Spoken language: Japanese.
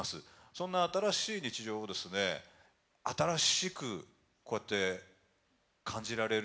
そんな新しい日常を新しくこうやって感じられる。